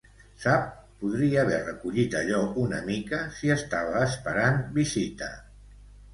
Sap, podria haver recollit allò una mica si estava esperant visita.